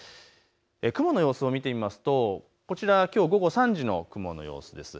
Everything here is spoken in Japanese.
雲の様子を見てみますとこちらはきょう午後３時の雲の様子です。